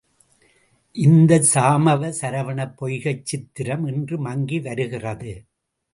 இந்த சாமவ சரவணப் பொய்கைச் சித்திரம் இன்று மங்கி வருகிறது.